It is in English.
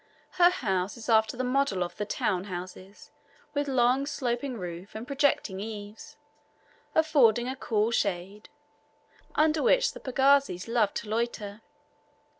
Her house is after the model of the town houses, with long sloping roof and projecting eaves, affording a cool shade, under which the pagazis love to loiter.